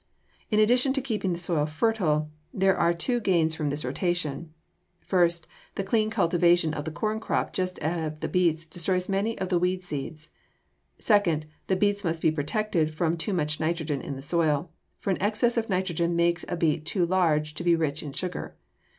In addition to keeping the soil fertile, there are two gains from this rotation: first, the clean cultivation of the corn crop just ahead of the beets destroys many of the weed seeds; second, the beets must be protected from too much nitrogen in the soil, for an excess of nitrogen makes a beet too large to be rich in sugar.